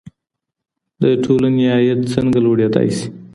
د ټولني عاید څنګه لوړېدای سي؟